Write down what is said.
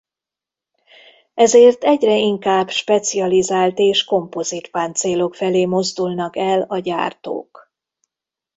Ezért egyre inkább specializált és kompozit páncélok felé mozdulnak el a gyártók.